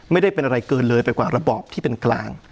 ไม่ได้เป็นอะไรเกินเลยไปกว่าระบอบที่เป็นกลาง